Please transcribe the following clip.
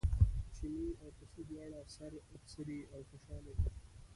چیني او پسه دواړه سره څري او خوشاله دي.